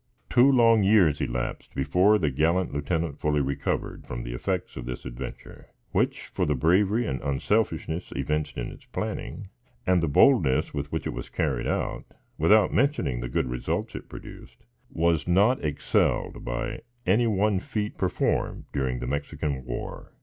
Two long years elapsed before the gallant lieutenant fully recovered from the effects of this adventure, which, for the bravery and unselfishness evinced in its planning, and the boldness with which it was carried out, without mentioning the good results it produced, was not excelled by any one feat performed during the Mexican War.